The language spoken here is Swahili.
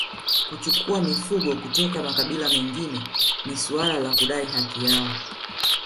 Kuchukua mifugo kutoka makabila mengine ni suala la kudai haki yao